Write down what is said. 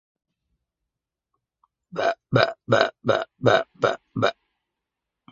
أظنّ أنّ هذا الفلم يستحقّ المشاهدة مرّتين.